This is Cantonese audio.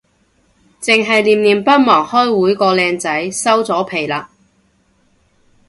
剩係念念不忘開會個靚仔，收咗皮喇